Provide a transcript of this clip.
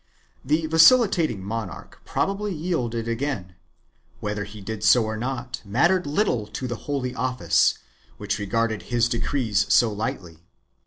2 The vacillating monarch probably yielded again; whether he did so or not mattered little to the Holy Office, which regarded his decrees so lightly.